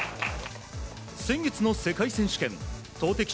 先月の世界選手権投てき